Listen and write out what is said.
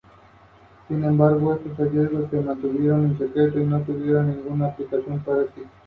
Todas las viviendas disponen de baños con agua caliente y fría.